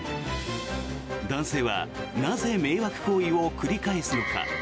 男性はなぜ迷惑行為を繰り返すのか。